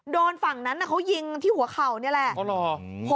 ฝั่งนั้นเขายิงที่หัวเข่านี่แหละ